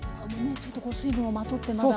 ちょっとこう水分をまとってまだ。